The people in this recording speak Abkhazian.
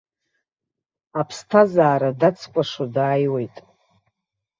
Аԥсҭазаара дацкәашо дааиуеит.